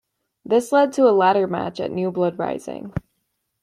This led to a ladder match at New Blood Rising.